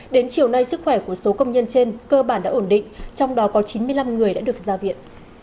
đến chiều nay sức khỏe của số công nhân trên cơ bản đã ổn định trong đó có chín mươi năm người đã được ra viện